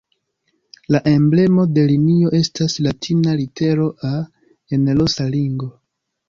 La emblemo de linio estas latina litero "A" en rosa ringo.